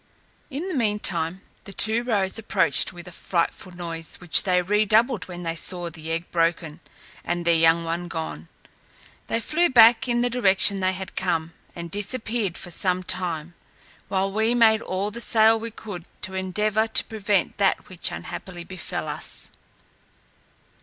In the mean time, the two roes approached with a frightful noise, which they redoubled when they saw the egg broken, and their young one gone. They flew back in the direction they had come, and disappeared for some time, while we made all the sail we could to endeavour to prevent that which unhappily befell us.